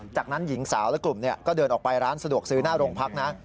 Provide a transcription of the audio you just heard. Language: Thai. จากนั้นหญิงสาวและกลุ่มก็เดินออกไปร้านสะดวกซื้อหน้าโรงพักนะ